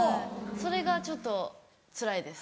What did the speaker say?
それがちょっとつらいです。